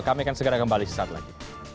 kami akan segera kembali sesaat lagi